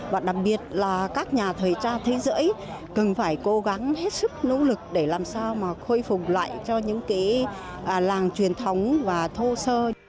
và đặc biệt là các nhà thời tra thế giới cần phải cố gắng hết sức nỗ lực để làm sao mà khôi phục lại cho những cái làng truyền thống và thô sơ